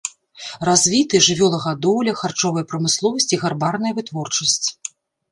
Развіты жывёлагадоўля, харчовая прамысловасць і гарбарная вытворчасць.